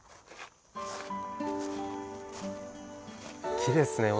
きれいですね小。